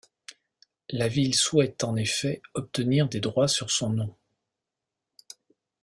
La ville souhaite en effet obtenir des droits sur son nom.